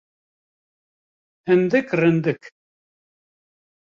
Hindik rindik.